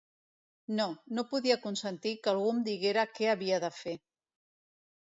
No, no podia consentir que algú em diguera què havia de fer.